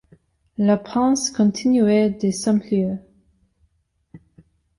La panse continuait de s’emplir.